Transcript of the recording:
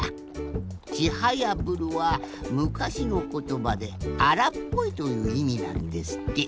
「ちはやぶる」はむかしのことばで「あらっぽい」といういみなんですって。